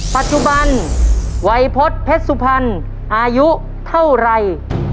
ปัจจุบันวัยพฤษเพชรสุพรรณอายุเท่าไร